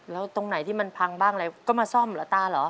แล้วตรงไหนที่มันพังบ้างอะไรก็มาซ่อมเหรอตาเหรอ